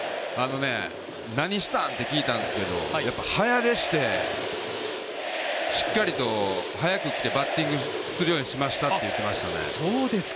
なにしたん？って聞いたんですけど、やっぱり早出して、しっかりと、早く来てバッティングするようにしましたっていっていましたね。